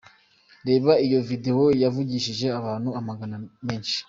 Reba iyo videwo yavugishije abantu amagambo menshi.